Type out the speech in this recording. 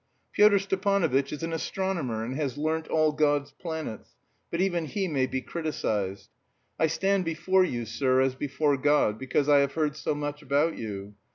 "Pyotr Stepanovitch is an astronomer, and has learnt all God's planets, but even he may be criticised. I stand before you, sir, as before God, because I have heard so much about you.